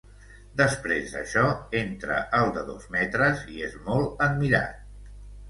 Després d'això, entra el de dos metres i és molt admirat.